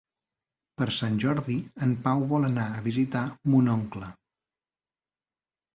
Per Sant Jordi en Pau vol anar a visitar mon oncle.